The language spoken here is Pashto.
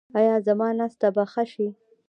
ایا زما ناسته به ښه شي؟